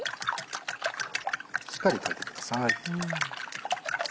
しっかり溶いてください。